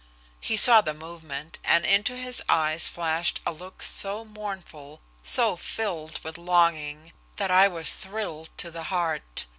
He saw the movement, and into his eyes flashed a look so mournful, so filled with longing that I was thrilled to the heart.